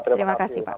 terima kasih pak